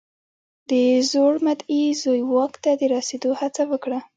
د زوړ مدعي زوی واک ته د رسېدو هڅه وکړه.